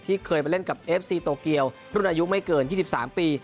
เคยไปเล่นกับเอฟซีโตเกียวรุ่นอายุไม่เกิน๒๓ปี